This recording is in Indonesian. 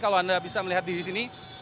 kalau anda bisa melihat di sini